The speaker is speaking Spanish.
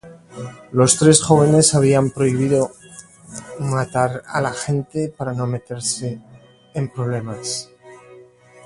Los tres jóvenes habían prohibido matar a la gente para no meterse en problemas.